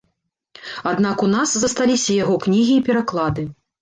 Аднак у нас засталіся яго кнігі і пераклады.